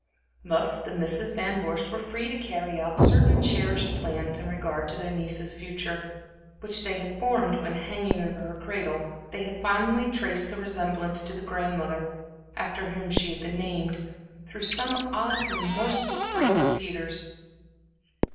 Thus the Misses Van Vorst were free to carry out certain cherished plans in regard to their niece's future, which they had formed when, hanging over her cradle, they had fondly traced a resemblance to the grandmother after whom she had been named, through some odd, remorseful freak of Peter's.